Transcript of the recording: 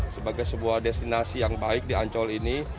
sebagai sebuah destinasi yang baik di ancol ini